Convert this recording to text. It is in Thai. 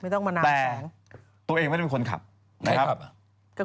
แต่ตัวเองไม่ได้มีคนขับนะครับ